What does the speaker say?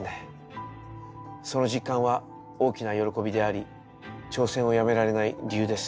その実感は大きな喜びであり挑戦をやめられない理由です。